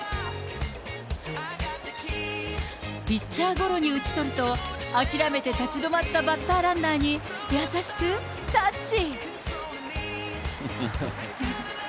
ピッチャーゴロに打ち取ると、諦めて立ち止まったバッターランナーに優しくタッチ。